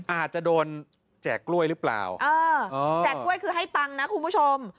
อาจจะโดนแจกกล้วยหรือเปล่าเออแจกกล้วยคือให้ตังค์นะคุณผู้ชม